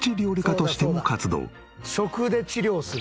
食で治療する。